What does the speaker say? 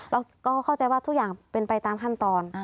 เราก็เข้าใจว่าทุกอย่างเป็นไปตามขั้นตอน